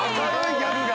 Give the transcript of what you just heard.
ギャグが。